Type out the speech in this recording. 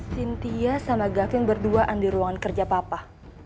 cynthia sama gavin berduaan di ruangan kerja papa